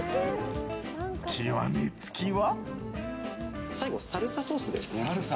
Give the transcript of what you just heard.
極め付きは。